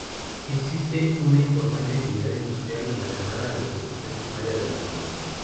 Existe una importante actividad industrial relacionada a la producción primaria de la zona.